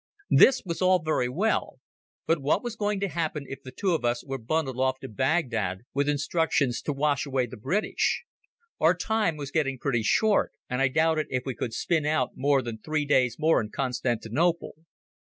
This was all very well; but what was going to happen if the two of us were bundled off to Baghdad with instructions to wash away the British? Our time was getting pretty short, and I doubted if we could spin out more than three days more in Constantinople.